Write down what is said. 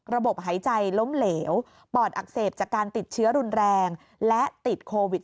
หายใจล้มเหลวปอดอักเสบจากการติดเชื้อรุนแรงและติดโควิด๑